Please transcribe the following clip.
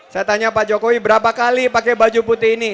saya tanya pak jokowi berapa kali pakai baju putih ini